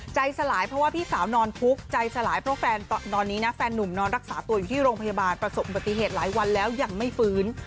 ใจสลายเพราะว่าพี่สาวนอนคุกใจสลายเพราะแฟนตอนนี้นะแฟนนุ่มนอนรักษาตัวอยู่ที่โรงพยาบาลประสบอุบัติเหตุหลายวันแล้วยังไม่ฟื้น